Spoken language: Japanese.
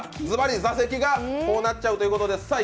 ズバリ、座席がこうなっちゃうということです。